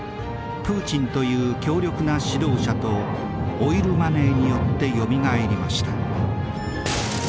プーチンという強力な指導者とオイルマネーによってよみがえりました。